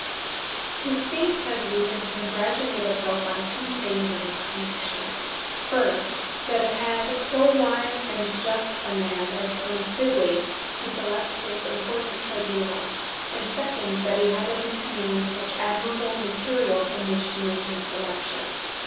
The state has reason to congratulate itself on two things in this connection. First, that it had so wise and just a man as Colonel Sibley to select this important tribunal, and, second, that he had at his command such admirable material from which to make his selection.